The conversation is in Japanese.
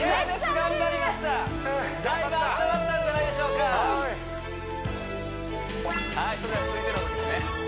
頑張りましただいぶ温まったんじゃないでしょうかはいそれでは続いてのですね